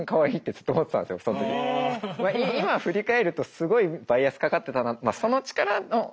今振り返るとすごいバイアスかかってたなって。